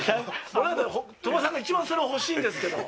ボラード、鳥羽さんが一番それ欲しいんですけど。